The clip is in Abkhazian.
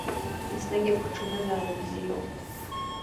Еснагь агәаҽанызаара бзиоуп.